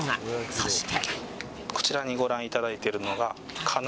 そして。